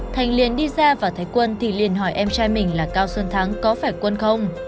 thành liền đi ra và thấy quân thì liền hỏi em trai mình là cao xuân thắng có phải quân không